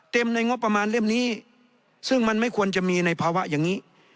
ในงบประมาณเล่มนี้ซึ่งมันไม่ควรจะมีในภาวะอย่างนี้